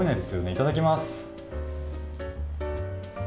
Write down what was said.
いただきます。